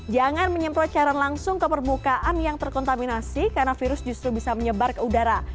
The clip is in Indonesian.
jangan menyemprot cairan langsung ke permukaan yang terkontaminasi karena virus justru bisa menyebar ke udara